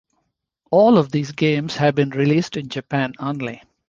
All of these games have been released in Japan Only.